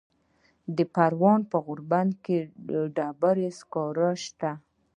د پروان په غوربند کې د ډبرو سکاره شته.